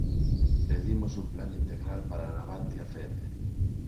Pedimos un plan integral para Navantia Fene.